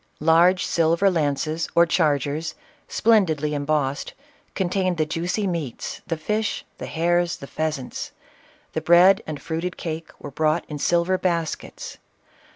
Large silver lances, or chargers, splendidly embossed, contained the juicy meats, the fish, the hares, and pheasants. The bread and fruited cake were brought in silver baskets.